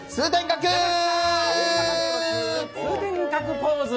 通天閣ポーズ！